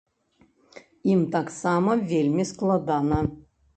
Ім таксама вельмі складана.